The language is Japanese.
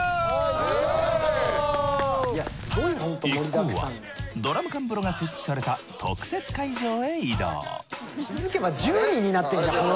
一行はドラム缶風呂が設置された特設会場へ移動。